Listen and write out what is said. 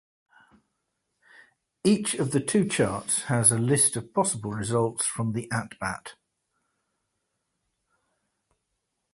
Each of the two charts has a list of possible results from the at-bat.